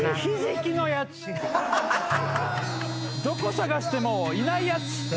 どこ探してもいないやつ。